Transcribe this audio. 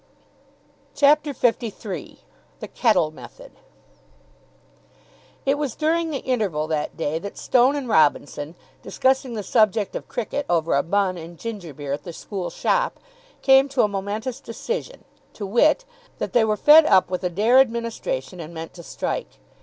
CHAPTER LIII THE KETTLE METHOD It was during the interval that day that Stone and Robinson, discussing the subject of cricket over a bun and ginger beer at the school shop, came to a momentous decision, to wit, that they were fed up with Adair administration and meant to strike.